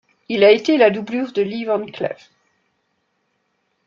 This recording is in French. Il a été la doublure de Lee Van Cleef.